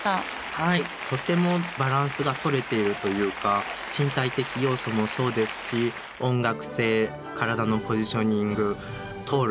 はいとってもバランスがとれているというか身体的要素もそうですし音楽性体のポジショニング通る